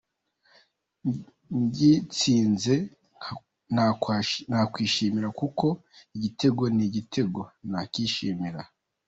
Ngitsinze nakwishimira kuko igitego ni igitego, nakishimira”.